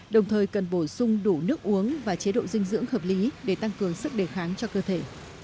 đồng thời cần bổ sung đủ nước uống và chế độ dinh dưỡng hợp lý để tăng cường sức đề kháng cho cơ thể